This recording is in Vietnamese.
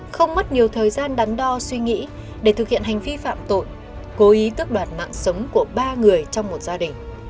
không mất nhiều thời gian đắn đo suy nghĩ để thực hiện hành vi phạm tội cố ý tước đoạt mạng sống của ba người trong một gia đình